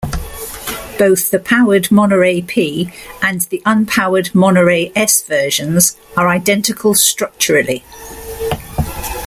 Both the powered Monerai P and the unpowered Monerai S versions are identical structurally.